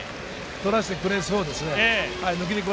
取らしてくれそうですね。